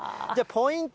ポイント